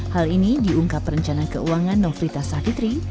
hal ini diungkap perencana keuangan nofrita savitri